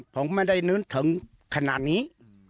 ผมไม่ได้นึกถึงขนาดนี้